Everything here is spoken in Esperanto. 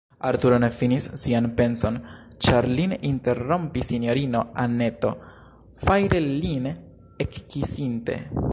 Arturo ne finis sian penson, ĉar lin interrompis sinjorino Anneto, fajre lin ekkisinte.